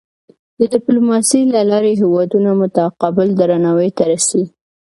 د ډیپلوماسۍ له لارې هېوادونه متقابل درناوی ته رسي.